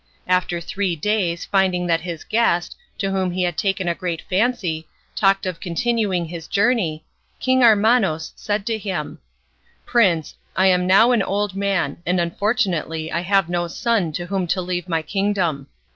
After three days, finding that his guest, to whom he had taken a great fancy, talked of continuing his journey, King Armanos said to him: "Prince, I am now an old man, and unfortunately I have no son to whom to leave my kingdom.